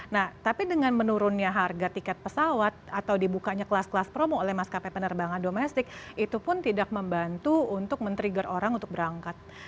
nah tapi dengan menurunnya harga tiket pesawat atau dibukanya kelas kelas promo oleh maskapai penerbangan domestik itu pun tidak membantu untuk men trigger orang untuk berangkat